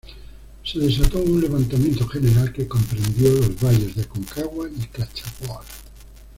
Se desató un levantamiento general que comprendió los valles de Aconcagua y Cachapoal.